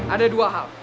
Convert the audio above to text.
ada dua hal